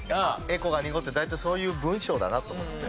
エコが濁って大体そういう文章だなと思って。